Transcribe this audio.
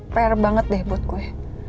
fair banget deh buat gue